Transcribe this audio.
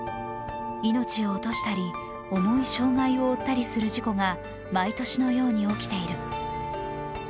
命を落としたり重い障害を負ったりする事故が毎年のように起きている。